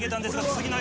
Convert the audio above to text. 次の。